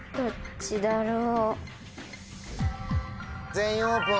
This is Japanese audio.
「全員オープン」